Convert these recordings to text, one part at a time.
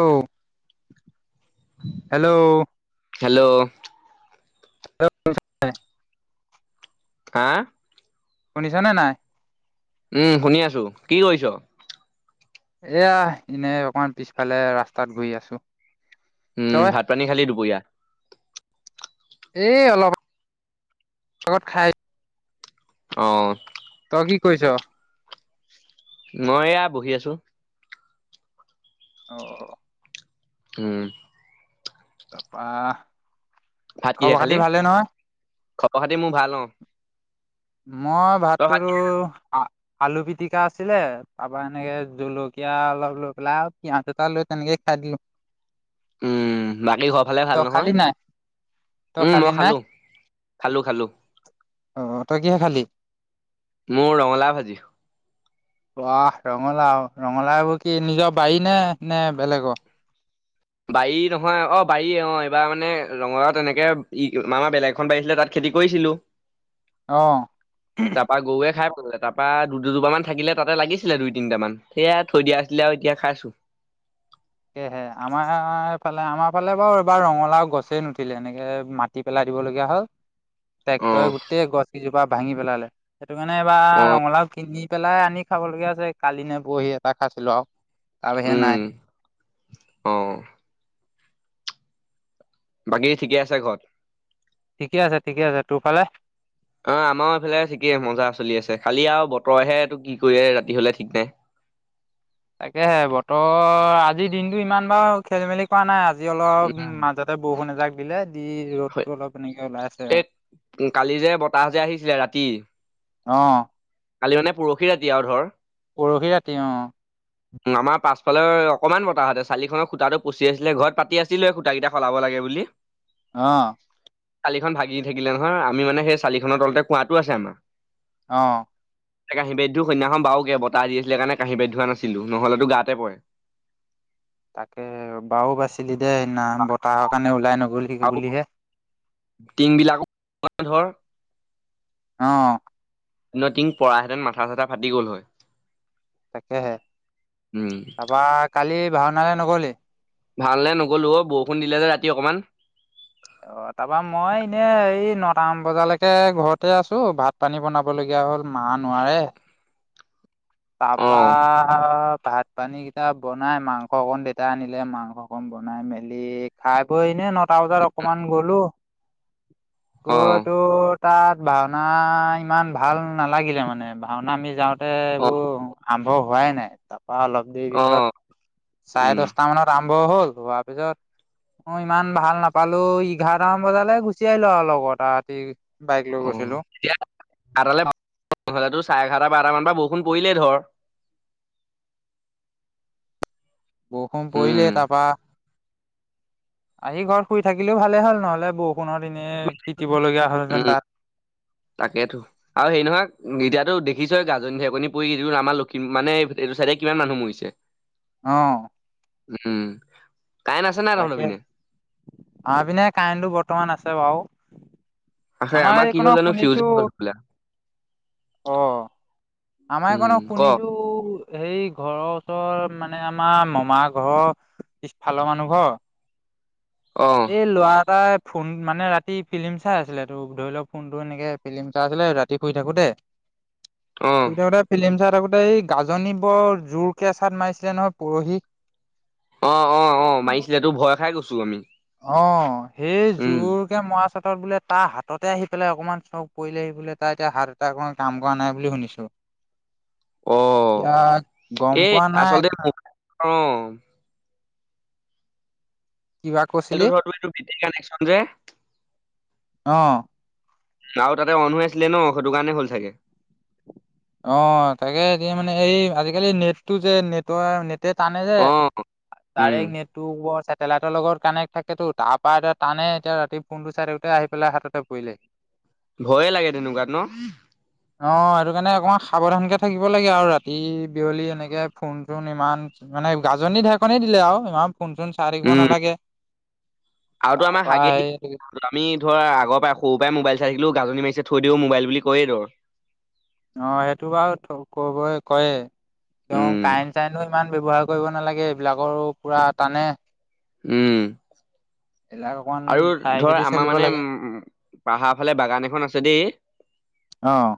ঔ hello? Hello? ? [inaudible] আ শুনিছানে নাই? উম শুনি আছো কি কইছ? এয়া এনেই অকমান পিছফালে ৰাস্তাত গৈ আছো। উম ভাত পানী খালি দুপইয়া। এ অলপ আগত খাই? অ। তই কি কৰিছ? মই এয়া বহি আছো অ' অ'। উ তাপা? ভাত কিহে খালি, খবৰ খাতি মোৰ ভাল অ। মই তই ভাত ভাতটোৰো আ আলু পিতিকা আছিলে, তাপা এনেকে জলকীয়া অলপ লৈ পেলাই পিয়াজ এটা লৈ তেনেকেই খাই দিলো। উম, বাকী ঘৰ ফালে তই ভাল নহয়। খালি নাই তই উম খালি মই নাই খালো, খালো খালো। অ তই কিহে খালি? মোৰ ৰঙালাও ভাজি। বাহ ৰঙালাও, ৰঙালাও এইবোৰ কি নিজৰ বাৰী নে নে বেলেগৰ? বাৰী নহয়, অ বাৰীয়ে অ এইবাৰ মানে ৰঙালাওত এনেকে ই মামা বেলেগ এখন বাৰী আছিলে তাত? খেতি কইছিলো। অ'। পা গৰুৱে খাই পেলালে তাৰপৰা দু দুজোপামান থাকিলে তাতে লাগিছিলে দুই তিনিটামান সেয়া থৈ দিয়া আছিলে আউ এতিয়া খাইছোঁ সেহে আমাৰফালে আমাৰ ফালে বাউ এবাৰ ৰঙালাও গছেই নুঠিলে এনেকে মাটি পেলাই দিবলগীয়া হ'ল হয় [inaudible] অ ট্ৰেক্টৰে গোটেই গছ কেইজোপা ভাঙি পেলালে, সেইটো কাৰণে এইবাৰ অ ৰঙালাওঁ কিনি পেলাই আনি খাব লগীয়া হৈছে যে কালি নে পৰহি এটা খাইছিলো আৰু, তাৰ বাহিৰে উম নাই। অ'। বাকী ঠিকে আছে ঘৰত? ঠিকে আছে ঠিকে আছে, তোৰফালে? অ', আমাৰো এইফালে ঠিকেই মজা চলি আছে, খালি আৰু বতৰহে এইটো কি কৰি ৰাতি হ'লে ঠিক নাই। তাকেহে বতৰ আজি দিনটো ইমান বাৰু খেলি মেলি কৰা নাই, আজি অলপ উম মাজত তাতে বৰষুণ এজাক দিলে, দি ৰ'দটো হয়, অলপ এনেকে ওলাই আছে আৰু এই, কালি যে বতাহ যে আহিছিলে ৰাতি অ'। কালি মানে পৰহি ৰাতি আৰু ধৰ পৰহি ৰাতি, অ'। আমাৰ পাছফালৰ অকনমান বতাহতে চালিনৰ সুতাটো পচি আছিলে, ঘৰত পাতি আছিলে সুতা কেইটা সলাব লাগে বুলি। অ'। চালিখন ভাগি থাকিলে নহয় আমি মানে সেই চালিখনৰ তলতে কোৱাটো আছে আমাৰ। অ'। [unintelligible] বাৰু কে বতাহ দিছিলে কাৰণে কাহী বাটী ধোৱা নাছিলো, নহলেতো গাতে পৰে। তাকে বাৰু বাছিলি দেই না বতাহৰ কাৰণে ওলাই [unintelligible] আৰু বুলিহে। টিং বিলাকো, [unintelligible] ধৰ। অ'। [unintelligible] টিং পৰাহেতেন মাথা চথা ফাটি গ'ল হয়। তাকেহে, উম তাৰপা কালি ভাওনালৈ নগলি? ভাওনালে নগ'লো অ', বৰষুণ দিলে যে ৰাতি অকণমান। অ', তাৰপৰা মই এনে এই নটামান বজালৈকে ঘৰতে আছো, ভাত পানী বনাবলগীয়া হ'ল মা নোৱাৰে। অ', তাৰপা ভাত পানী কেইটা বনাই মাংস অকণ দেউতা আনিলে, মাংস অকণ বনাই মেলি খাই বৈ এনে ন টা বজাত অকমান গ'লো, গৈ অ', তোৰ তাত ভাওনা ইমান ভাল নালাগিলে মানে, ভাওনা আমি যাওঁতে অ', আৰম্ভ হোৱাই নাই, তাৰপৰা অলপ দেৰি পিছত অ', চাৰে উম, দছটা মানত আৰম্ভ হ'ল হোৱাৰ পিছত অ', ইমান ভাল নাপালো, এঘাৰটামান বজালৈ গুচি আহিলো আৰু লগৰ এটা ৰাতি বাইক লৈ অ', গৈছিলো। এতিয়া [unintelligible] চাৰে এঘাৰটা বাৰটা মানৰ পৰা বৰষুণ পৰিলেই ধৰ। বৰষুণ পৰিলে উম, তাৰপৰা, আহি ঘৰত শুই থাকিলেও ভালে হ'ল ন'হলে বৰষুণ এনে দিনে জিকিবলগীয়া হ'লহেঁতেন উম, তাত। তাকেতো। আৰু সেই নহয়, এতিয়াতো দেখিছই গাজনি ঢেকনি পৰি যে আমাৰ লখিম মানে এইটো চাইডে কিমান মানুহ মৰিছে। অ'। উম। কাৰেণ্ট আছে নাই তহঁতৰ তাকে, পিনে? আমাৰ পিনে কাৰেণ্টো বৰ্তমান আছে বাৰু। আছে, আমাৰ কি হ'ল এইকণত জানো শুনিছো ফিউজ গ'ল [unintelligible] অ', আমাৰ উম, এইকণক ক শুনিছো সেই ঘৰৰ ওচৰৰ মানে, আমাৰ মমা ঘৰৰ পিছফালৰ মানুহ ঘৰ অ', এই লৰা এটাই ফোন মানে ৰাতি ফিলিম চাই আছিলে তো ধৰি লওক ফোনটো এনেকে ফিলিম চাই আছিলে ৰাতি শুই থাকোতে অ', শুই থাকোতে ফিলিম চাই থাকোতে এই গাজনী বৰ জোৰকে এচাট মাৰিছিলে নহয় পুৰহি। অ অ অ মাৰিছিলেতো ভয় খাই গৈছো আমি। অ সেই উম, জোৰ মৰা চাতত বোলে তাৰ হাততে আহি পেলাই অকণমান চক পৰিলে আহি বোলে তাৰ এতিয়া হাত এটা অকমান কাম কৰা নাই বুলি শুনিছো। অ', এতিয়া গম এই পোৱা নাই। আচলতে মোবাইলৰ অ। কিবা কৈছিলি এইটো ধৰ তোৰ [unintelligible] কানেকশ্বন যে অ'। আৰু তাতে অন হৈ আছিলে ন, সেইটো কাৰণে হ'ল চাগে। অ তাকে এতিয়া মানে এই আজিকালি নেটটো যে নেটৰ আ নেট তে তানে যে, অ উম তাৰে নেট টো উপৰৰ চেটেলাইটৰ লগত কানেক্ট থাকেতো, তাৰ পৰা এতিয়া টানে এতিয়া ৰাতি ফোনটো চাই থাকোঁতে আহি পেলাই হাততে পৰিলে। [inaudible] ভয়ে লাগে তেনেকুৱাত ন? অ এইটো কাৰণে অকমান সাৱধানকে থাকিব লাগে আৰু ৰাতি বিয়লি এনেকে ফোন চোন ইমান মানে গাজনি ঢেৰেকনি দিলে আৰু ইমান ফোন চোন চাই থাকিব উম নালাগে, আৰুতো আমাৰ তাৰপা হাগে দি সেই আমি ধৰ আগৰ পৰাই সৰুৰ পৰাই মোবাইল চাই থাকিলোঁ, গাজনী মাৰিছে থৈ দিওঁ মোবাইল বুলি কৈয়ে দৰ। অ' সেইটো বাৰু কবই কৈয়েই, তেওঁ উম কাৰেণ্ট চাৰেন্তবোৰ ইমান ব্যৱহাৰ কৰিব নালাগে, এইবিলাকৰো পুৰা টানে। উম, এইবিলাক অকমান আৰু চাই ধৰ চিতি আমাৰ চলিব মানে লাগে উম পাহাৰৰ ফালে বাগান এখন আছে দেই অ',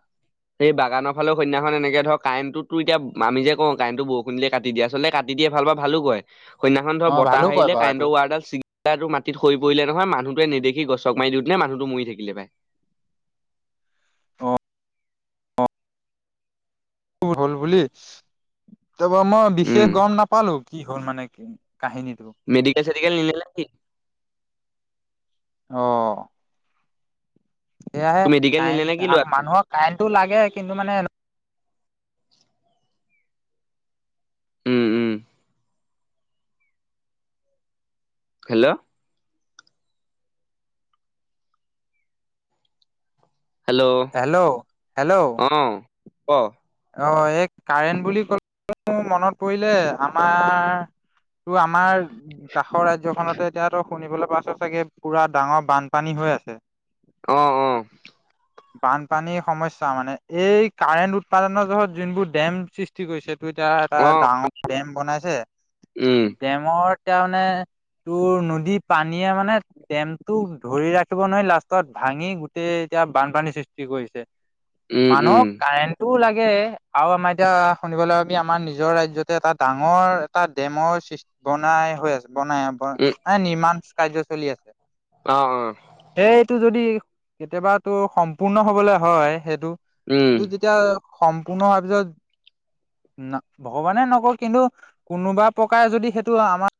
সেই বাগানৰ ফালে সেইদিনাখন এনেকে ধৰ, কাৰেণ্টটো তোৰ এতিয়া, আমি যে কওঁ কাৰেণ্টটো বৰষুণ দিলে কাটি দিয়ে, আচলতে কাট তি দিয়ে ভাল পা ভালো কৰে, সেইদিনাখন ধৰ অ ভালো বতাহ কয় আহিলে বাৰু এইটো তাৰডাল চিগাটো মাটিত সৰি পৰিলে নহয়, মানুহটোৱে নেদেখি গছক মাৰি দিওঁতে মানুহটো মৰি থাকিলে পাই। অ। হল বুলি, তাৰপৰা মই উম বিশেষ গম নাপ পালো, কি হ'ল মানে কাহিনীটো। মেডিকেল চেডিকেল নিলে নেকি? অ। সেয়াহে তোৰ মেডিকেল নিলে নে কাৰেণ্ট, কি লোৱা আকৌ মানুহক কাৰেণ্টটো লাগে কিন্তু মানে উম উম। হেল্ল'। হেল্ল' হেল্ল' হেল্ল' অ ক। অ এই কাৰেণ্ট বুলি [unintelligible] মোৰ মনত পৰিলে আমাৰ তোৰ আমাৰ কাষৰ ৰাজ্যখনতে এতিয়া তই শুনিবলৈ পাইছ চাগে পুৰা ডাঙৰ বানপানী হৈ আছে। অ। বানপানীৰ সমস্যা মানে এই কাৰেণ্ট উৎ পাদনৰ জহত যিবোৰ ডেম সৃষ্টি তি কৰিছে তোৰ এতিয়া এটা অ ডাঙৰ ডেম বনাইছে, উম ডেমৰ এতিয়া মানে তোৰ নদী পানীয়ে মানে ডেমটোক ধৰি ৰাখিব নোৱাৰি লাষ্টত ভাঙি গোটেই এতিয়া বানপানীৰ সৃষ্টি কৰিছে। উম উম মানুহক কাৰেণ্ট টো লাগে, আৰু আমাৰ এতিয়া শুনিবলৈ আমাৰ নিজৰ ৰাজ্যতে এটা ডাঙৰ এটা ডেমৰ সৃষ্টি বনাই হৈ আছে, বনাই ব উম মানে নিৰ্মাণ কাৰ্য চলি আছে। অ, অ। সেইটো যদি, কেতিয়াবাটো সম্পূৰ্ণ হবলৈ হয় সেইটো উম এতিয়া সম্পূৰ্ণ হোৱাৰ পিছত না, ভগৱানে নকৰক কিন্তু কোনোবা প্ৰকাৰে যদি সেইটো আমাৰ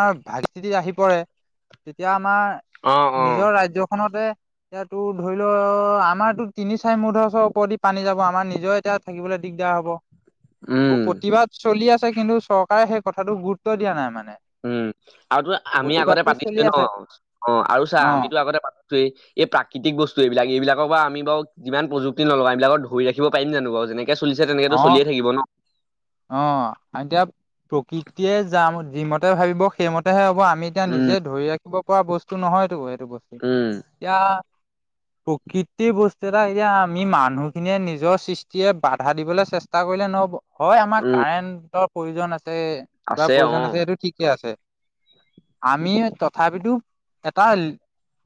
আমাৰ ভাগ [unintelligible] সিতি আহি পৰে তেতিয়া আমাৰ অ'। অ নিজৰ ৰাজ্যখনতে এতিয়াতো ধৰি ল' আমাৰতো তিনি চাৰি মুধচৰ ওপৰেদি পানী যাব, আমাৰ নিজৰ এতিয়া থাকিবলৈ দিগদাৰ হ'ব। উম। প্ৰতিবাদ চলি আছে কিন্তু চৰকাৰে সেই কথাটো গুৰুত্ব দিয়া নাই মানে উম। আৰুতো আমি আগতে প্ৰতিবাদটো চলি পাতিছোৱেই ন? আছে। অ' আৰু চা অ', আমিতো আগতে পাতিছোৱেই এই প্ৰাকৃতিক বস্তু এইবিলাক। এইবিলাকৰ পৰা আমি বাৰু যিমান প্ৰযুক্তি নলগাঁও এইবিলাকত ধৰি ৰাখিব পাৰিম জানো বাৰু যেনে নেকে চলিছে তেনেকেটো অ', চলিয়ে থাকিব ন'। অ', এতিয়া প্ৰকৃতিয়ে যাম যিমতে ভাবিব সেইমতেহে হ'ব। আ মি এতিয়া উম নিজে ধৰি ৰাখিব পৰা বস্তু নহয়টো এইটো বস্তু উম। এতিয়া প্ৰকৃতিৰ বস্তু এটা এতিয়া আমি মানুহখিনিয়ে নিজৰ সৃষ্টিৰে বা ধা দিবলৈ চেষ্টা কৰিলে নহব। হয় আমাৰ উম কাৰেণ্টৰ প্ৰয়োজন আছে, কিবা আছে অ প্ৰয়োজন আছে সেইটো ঠিকে আছে আমি তথাপিতো এটা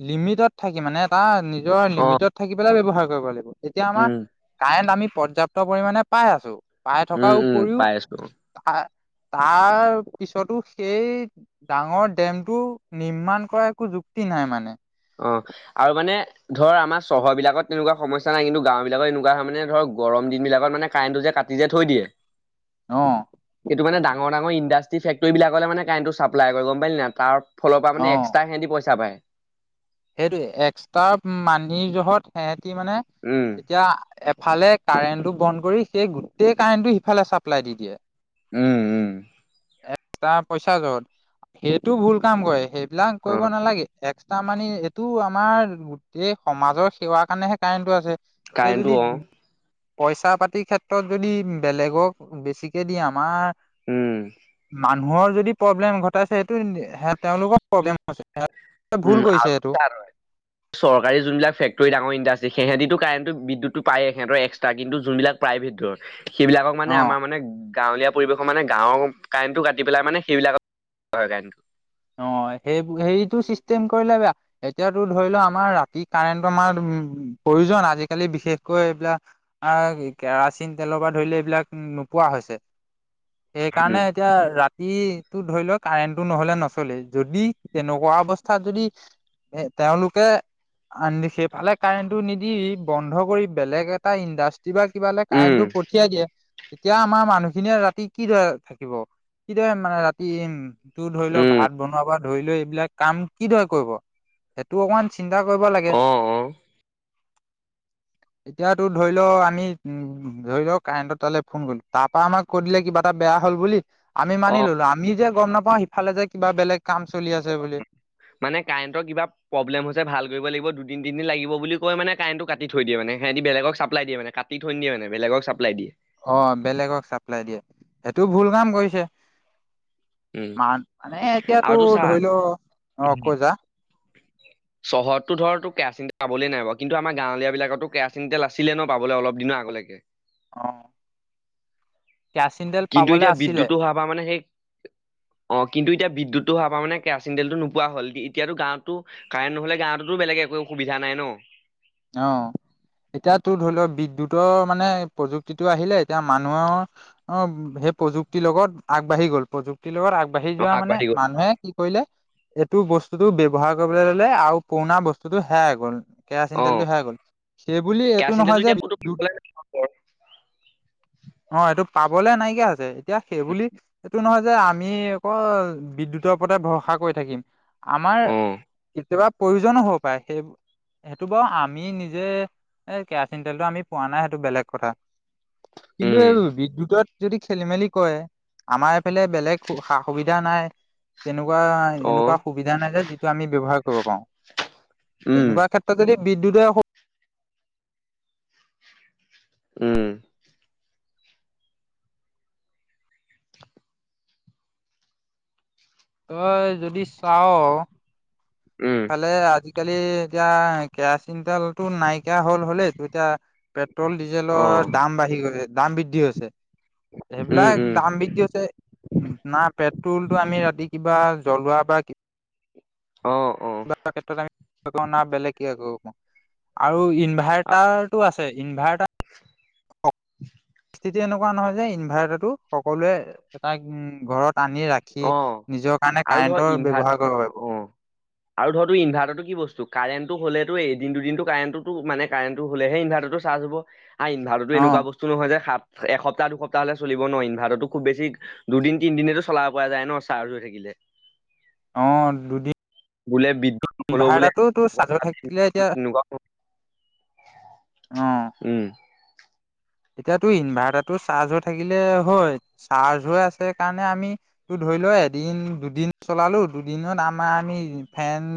লিমিটত থাকি মানে এটা নিজৰ অ লিমিটত থাকি পেলাই ব্যৱহাৰ কৰিব লাগিব। যেতিয়া আমাৰ উম কাৰেণ্ট আমি পৰ্যাপ্ত পৰ্যাপ্ত পৰিমানে পাই আছো, পাই উম থকাৰ উম উপৰিও পাই আছো অ আ তাৰ পিছতো সেই ডাঙৰ ডেমটো নিৰ্মাণ কৰা একো যুক্তি নাই মানে। অ, আৰু মানে ধৰ আমাৰ চহৰবিলাকত তেনেকুৱা সমস্যা নাই কিন্তু গাঁও বিলাকত এনেকুৱা হয় মানে ধৰ গৰমদিন বিলাকত মানে কাৰেণ্টটো যে কাট টি যে থৈ দিয়ে, অ', সেইটো মানে ডাঙৰ ডাঙৰ ইণ্ডা ট্ৰী ফেক্টৰী বিলাকলে মানে কাৰেন্টো চাপলাই কৰে গম পালি নাই? তাৰ ফলত মানে এক্সট্ৰা সিহঁতে পইচা পায়। সেইটো এক্সট্ৰা মানীৰ জহত সিহতি মানে উম যেতিয়া এফালে কাৰেণ্টো বন্ধ কৰি সেই গোটেই কাৰেণ্টো সিফালে চাপ্লাই দি দিয়ে উম, উম। এক্সট্ৰা পইচা য'ত, সেইটো ভুল কাম কৰে, সেইবিলাক অ কৰিব নালাগে এক্সট্ৰা মানে এইটো আমাৰ গোটেই সমাজৰ সেৱাৰ কাৰণেহে কাৰেণ্টো আছে। এতিয়া কাৰেণ্টটো যদি অ পইচা- পাতি ক্ষেত্ৰত যদি বেলেগক বেছিকে দিয়ে আমাৰ উম মানুহৰ যদি প্ৰব্লেম ঘটাইছে সেইটো হে তেওঁলোকৰ প্ৰব্লেম হৈছে সেইটো ভুল উম কৰিছে। আৰু সেইটো তাৰ চৰকাৰী যোনবিলাক ফেক্টৰী ডাঙৰ ইণ্ডাষ্ট্ৰি সিহতিতো কাৰেণ্টটো বিদ্যুতটো পায়েই সিহঁতৰ এছ তাৰ কিন্তু যোনবিলাক প্ৰাইভেট ধৰ, সেইবিলাক মানে অ আমাৰ মানে গাঁৱলীয়া পৰিৱেশৰ মানে গাঁৱৰ কাৰেণ্টটো কাটি পেলাই মানে সেইবিলত [unintelligible] হয় কাৰেণ্টটো অ, সেই সেইটো, চিষ্টেম কৰিলে বেয়া। এতিয়াতো ধৰি লোৱা আমাৰ ৰাতি কাৰেণ্টৰ আমাৰ, প্ৰয়োজন আজিকালি বিশেষকৈ এইবিলাক আহ, কেৰাচিন তেলৰ পৰা ধৰিলে, এইবিলাক নোপোৱা হৈছে। উম সেইকাৰণে এতিয়া ৰাতিটোৰ ধৰি লোৱা কাৰেণ্টটো নহ'লে ন চলে, যদি তেনেকুৱা অৱস্থাত যদি এ, তেওঁলোকে আন, সেইফালে কাৰেণ্টটো নিদি, বন্ধ কৰি বেলেগ এটা ইণ্ডাষ্টি কিবা, কিবলে উম কাৰেণ্টটো পঠিয়াই দিয়ে। তেতিয়া আমাৰ মানুহখিনিয়ে ৰাতি কিদৰে থাকিব, কিদৰে মানে ৰাতি উম, টো ধৰি লও উম, ভাত বনোৱা পৰা ধৰি লয় এইবিলাক কাম, কিদৰে কৰিব? এইটো অকমান চিন্তা কৰিব লাগে। অ', অ', এতিয়াতো ধৰি ল, আমি উম, ধৰি ল, কাৰেণ্ট তালৈ ফোন কৰিলো, তাৰ পৰা আমাক ক'ত লা কিবা এটা বেয়া হ'ল বুলি, আমি মানি অ', ল'লো, আমি যে গম নাপাওঁ সিফালে যে কিবা বেলেগ কাম চলি আছে বুলি। মানে কাৰেণ্টৰ কিবা প্ৰব্লেম হৈছে, ভাল কৰিব লাগিব দুদিন-তিদিন লাগিব বুলি কয় মানে কাৰেণ্টটো কাটি থৈয় দিয়ে মানে, ইহঁতি বেগকক চাপলাই দিয়ে মানে কা টি থৈ নিদিয়ে মানে, বেলেগক চাপ্লাই দিয়ে। অ, বেলেগক চাপ্লাই দিয়ে, সেইটো ভুল কাম কৰিছে। উম, মান মানে এতিয়াতো আৰু তোৰ চা ধৰি ল, অ, উম, কয় যা। চহৰততো ধৰ তোৰ কেৰাচিন তেল পাবলেই নাই, কিন্তু আমাৰ গাঁৱলীয়া বিলাকতো কেৰাচিন তেল আছিলে ন, পাবলৈ অলপ দিনৰ আগলৈকে। অ, কেৰাচিন তেল। কিন্তু পাবলে এতিয়া আছিলে। বিদ্যুতটো হোৱাৰ পৰা মানে সেই অ, কিন্তু এতিয়া বিদ্যুতটো হোৱাৰ পৰা মানে কেৰাচিন তেলটো নোপোৱা হ'ল, এতিয়াতো গাঁৱতো কাৰেণ্ট নহ'লে গাওঁটো বেলেগ একো সুবিধা নাই ন? অ, এতিয়াতো ধৰি ল, বিদ্যুতৰ মানে প্ৰযুক্তিটো আহিলে, এতিয়া মানুহৰ অ, সেই প্ৰযুক্তিৰ লগত, আগবাঢ়ি গ'ল, প্ৰযুক্তিৰ লগত আগবাঢ়ি অ', যোৱা মানে আগবাঢ়ি গ'ল মানুহে কি কৰিলে, এইটো বস্তুতটো ব্যৱহাৰ কৰিবলৈ ল'লে আৰু পুৰণা বস্তুটো হেৰাই গ'ল। চিন, অ', তেলটো হেৰাই গ'ল, সেই বুলি এইটো কেৰাচিন নহয় তেলটো যে এতিয়া ক'তো বিদ্যুত পাবলে নাই অ, এইটো পাবলে নাইকিয়া হৈছে, এতিয়া সেই বুলি এইটো নহয় যে, আমি অকল বিদ্যুতৰ ওপৰতে ভৰসা কৰি থাকিম। আমাৰ অ', কেতিয়াবা, প্ৰয়োজনো হ'ব পাৰে, সেই টো, বাৰু আমি নিজে এ, কেৰাচিন তেলটো আমি পোৱা নাই, সেইটো বেলেগ কথা। কিন্তু উম। এই বিদ্যুতত যদি খেলি-মেলি কৰে, আমাৰ এইফালে বেলেগ সা-সুবিধা নাই। তেনেকুৱা, এনেকুৱা অ', সুবিধা নাই যে যিটো আমি ব্যৱহাৰ কৰিব পাৰো। উম, তেনেকুৱা ক্ষেত্ৰ ত, যদি বিদ্যুতে উম, তই, যদি চাও উম, ফালে আজিকালি এতিয়া, কেৰাচিন তেলটো নাইকিয়া হ'ল, হ'লেই সেইটো এতিয়া পেট্ৰল ডিজেলৰ অ', দাম বাঢ়ি গৈছে, দাম বৃদ্ধি হৈছে। উম, এইবিলাক উম, দাম বৃদ্ধি হৈছে। না, পেট্ৰলটো আমি ৰাতি কিবা জ্বলোৱা বা অ, অ', কিবা এটা ক্ষেত্ৰত আমি, [unintelligible] বেলেগ কিবা কৰিব পাৰোঁ। আৰু আ- ইনভাৰ্টাৰটো আ ছে। ইনভাৰ্টাৰ [inaudible] এতিয়া এনেকুৱা নহয় যে, ইনভাৰ্টাৰটো সকলোৱে ঘৰত আনি, ৰা কি, অ', নিজৰ কাৰণে আৰু ধৰ কাৰেণ্টৰ ইনভাৰ ব্যৱহাৰ কৰিব পাৰিব। অ', আৰু ধৰতো, ইনভাৰ্টাৰটো কি বস্তু, কাৰেণ্টটো হ'লেতো এদিন-দুদিনটো কাৰেণ্টটো মানে, কাৰেণ্টটো হ'লেহে ইনভাৰ্টাৰটো চাৰ্জ হ'ব আৰু ইনভাৰ্টাৰ এনেকুৱা অ', ব বস্তু নহয় যে, [unintelligible] এসপ্তাহ- দুসপ্তাহলে চলিব নোৱাৰি, ইনভাৰ্টাৰটো খুউব বেছি, দুদিন-তিনিদিনেতো চলা পোৱা যায় ন' চাৰ্জ হৈ থাকিলে। অ'! দুদি বোলে বিদ্যুৎ নগ'লেও বোলে ইনভাৰ্টাৰটো চাৰ্জত থাকিলে, এতিয়া তেনেকুৱা অ'! উম! এতিয়াতো ইনভাৰ্টাৰটো চাৰ্জত থাকিলে হয়, চাৰ্জ হৈ আছে কাৰণে আমি, তো ধৰি লোৱা এদিন, দুদিন চলালোঁ। দুদিনত আমাৰ, আমি ফেন